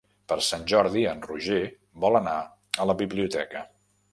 Per Sant Jordi en Roger vol anar a la biblioteca.